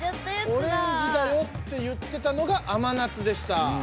オレンジだよって言ってたのが甘夏でした。